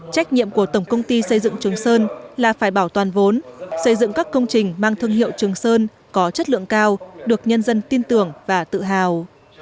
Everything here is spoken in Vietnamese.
trách nhiệm của tổng công ty xây dựng trường sơn là phải bảo toàn vốn xây dựng các công trình mang thương hiệu trường sơn có chất lượng cao được nhân dân tin tưởng và tự hào